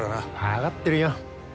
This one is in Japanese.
分かってるよ。